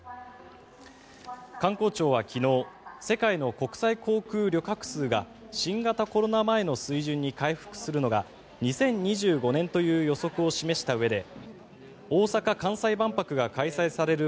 観光庁は昨日世界の国際航空旅客数が新型コロナ前の水準に回復するのが２０２５年になるという予測を示したうえで大阪・関西万博が開催される